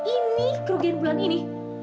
ini kerugian bulan ini